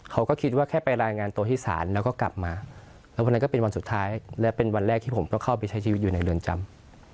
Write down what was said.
เขาก็คิดว่าแค่ไปรายงานตัวที่ศาลแล้วก็กลับมาแล้ววันนั้นก็เป็นวันสุดท้ายและเป็นวันแรกที่ผมก็เข้าไปใช้ชีวิตอยู่ในเรือนจำ